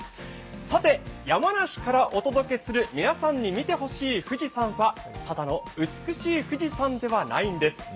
さて、山梨からお届けする皆さんに見てほしい富士山はただの美しい富士山ではないんです。